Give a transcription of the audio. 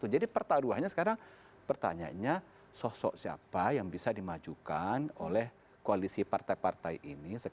jadi pertaruhannya sekarang pertanyaannya sosok siapa yang bisa dimajukan oleh koalisi partai partai ini